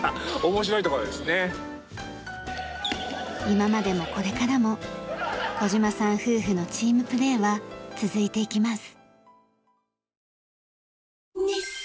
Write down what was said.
今までもこれからも児島さん夫婦のチームプレーは続いていきます。